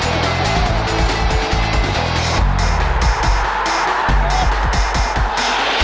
เคี่ยง